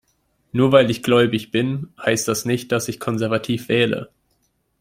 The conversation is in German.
Nur weil ich gläubig bin, heißt das nicht, dass ich konservativ wähle.